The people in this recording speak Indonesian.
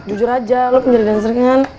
jujur aja lo pengen jadi dancer kan